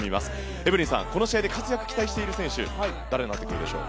エブリンさん、この試合で活躍期待している選手誰になってくるでしょう。